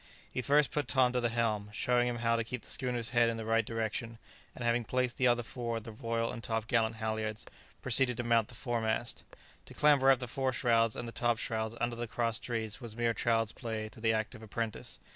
He first put Tom to the helm, showing him how to keep the schooner's head in the right direction, and having placed the other four at the royal and top gallant halyards, proceeded to mount the foremast. [Illustration: All three of them fell flat upon the deck.] To clamber up the foreshrouds and the top shrouds on to the cross trees was mere child's play to the active apprentice.